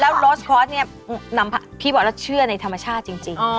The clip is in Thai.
โน้สคอร์สเนี่ยพี่บอกแล้วเชื่อในธรรมชาติจริง